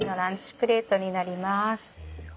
プレートになります。